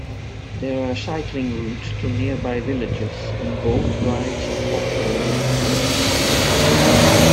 There are cycling routes to nearby villages, and boat rides are popular with tourists.